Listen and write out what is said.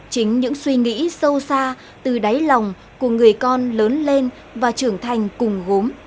chính những suy nghĩ sâu xa từ đáy lòng của người con lớn lên và trưởng thành cùng gốm